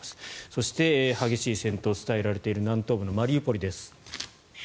そして激しい戦闘が伝えられている南東部マリウポリです。